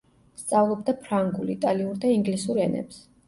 სწავლობდა ფრანგულ, იტალიურ და ინგლისურ ენებს.